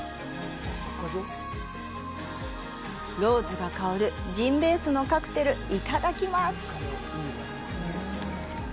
ローズが香るジンベースのカクテル、いただきます。